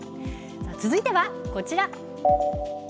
続いてはこちら。